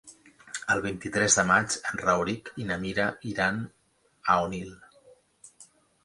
El vint-i-tres de maig en Rauric i na Mira iran a Onil.